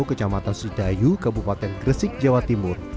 kecamatan sidayu kabupaten gresik jawa timur